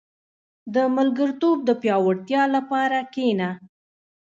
• د ملګرتوب د پياوړتیا لپاره کښېنه.